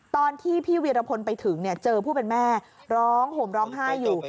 ตอนที่พี่วีรพลไปถึงเจอผู้เป็นแม่ร้องห่มร้องไห้อยู่